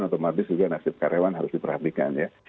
otomatis juga nasib karyawan harus diperhatikan ya